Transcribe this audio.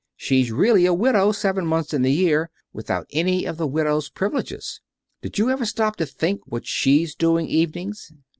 She's really a widow seven months in the year, without any of a widow's privileges. Did you ever stop to think what she's doing evenings?